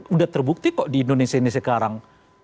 sudah terbukti kok di indonesia ini sekarang